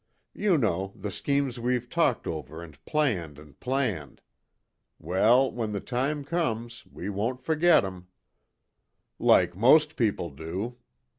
You know, the schemes we've talked over and planned and planned. Well, when the time comes, we won't forget 'em " "Like most people do.